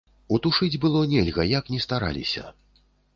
Утушыць было нельга, як ні стараліся.